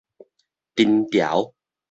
藤條